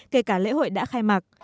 kể cả lễ hội đã khai mạc